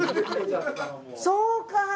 そうか。